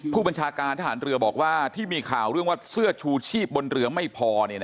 ผู้บัญชาการทหารเรือบอกว่าที่มีข่าวเรื่องว่าเสื้อชูชีพบนเรือไม่พอ